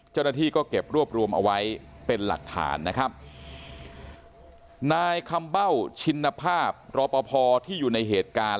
เจ้าหน้าที่ก็เก็บรวบรวมเอาไว้เป็นหลักฐานนะครับนายคำเบ้าชินภาพรอปภที่อยู่ในเหตุการณ์